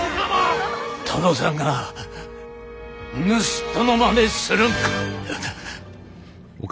殿さんが盗人のまねするんか！